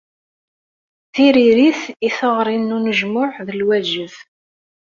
Tiririt i teɣri n unejmuɛ d lwaǧeb.